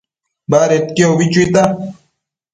Badedquio ubi chuita